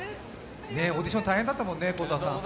オーディション大変だったもんね、幸澤さん。